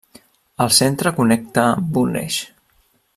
El centre connecta amb un eix.